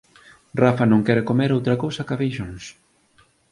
Rafa non quere comer outra cousa ca feixóns